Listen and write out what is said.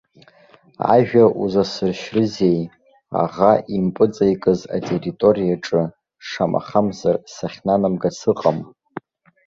Ажәа узасыршьрызеи, аӷа импыҵеикыз атерриториаҿы, шамахамзар, сахьнанамгац ыҟам.